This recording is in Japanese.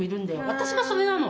私がそれなの。